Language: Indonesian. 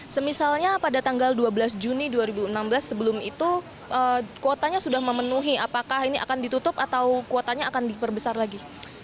semisalnya pada tanggal dua belas juni dua ribu enam belas sebelum itu kuotanya sudah memenuhi apakah ini akan ditutup atau kuotanya akan diperbesar lagi